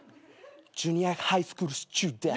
ジュニアハイスクールスチューデント。